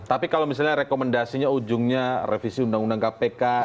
tapi kalau misalnya rekomendasinya ujungnya revisi undang undang kpk